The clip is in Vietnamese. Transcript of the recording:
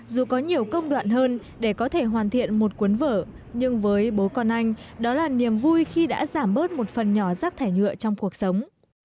dù có nhiều công đoạn hơn để có thể hoàn thiện một cuốn vở nhưng với bố con anh đó là niềm vui khi đã giảm bớt một phần nhỏ rác thải nhựa trong cuộc sống